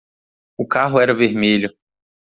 O carro era vermelho.